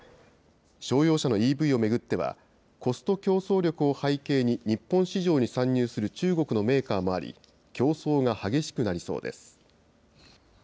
商用車のＥＶを巡っては、コスト競争力を背景に、日本市場に参入する中国のメーカーもあり、競争が激しくなりそうです。